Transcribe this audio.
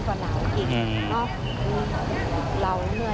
เช่นกับพระองค์ครั้งนั้น